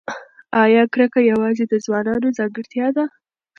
ایا کرکه یوازې د ځوانانو ځانګړتیا ده؟